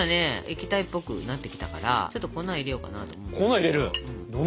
液体っぽくなってきたからちょっと粉入れようかなと思うんだけど。